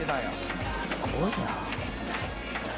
「すごいな」